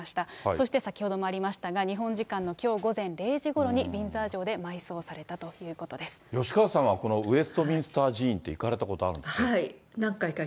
そして、先ほどもありましたが、日本時間のきょう午前０時ごろに、ウィンザー城で埋葬されたという吉川さんは、このウェストミンスター寺院って行かれたことあるんですか？